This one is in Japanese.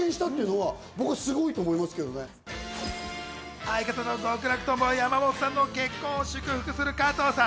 相方の極楽とんぼ・山本さんの結婚を祝福する加藤さん。